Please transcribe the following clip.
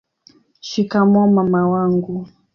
shikamoo mama wangu